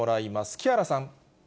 木原さん。